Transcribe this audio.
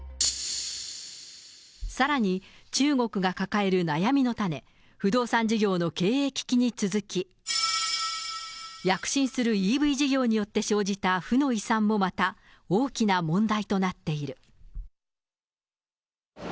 さらに、中国が抱える悩みの種、不動産事業の経営危機に続き、躍進するＥＶ事業によって生じた負の遺産もまた大きな問題となっている。